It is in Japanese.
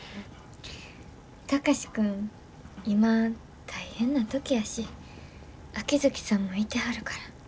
貴司君今大変な時やし秋月さんもいてはるから。